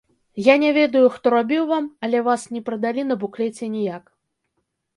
Я не ведаю, хто рабіў вам, але вас не прадалі на буклеце ніяк.